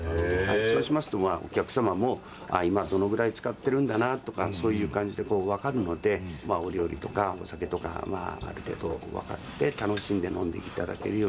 そうしますとお客さまも今どのぐらい使ってるんだなとかそういう感じで分かるのでまぁお料理とかお酒とかある程度分かって楽しんで飲んでいただけるようにっていうことで。